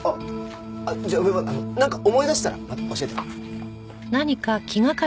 じゃあ梅ばあなんか思い出したらまた教えて。